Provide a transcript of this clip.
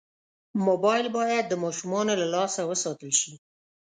موبایل باید د ماشومانو له لاسه وساتل شي.